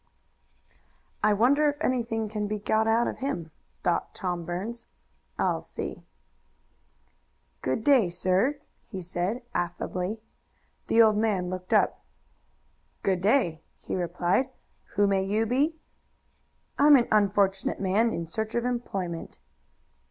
"I wonder if anything can be got out of him," thought Tom Burns. "I'll see." "Good day, sir," he said, affably. The old man looked up. "Good day," he replied. "Who may you be?" "I'm an unfortunate man, in search of employment."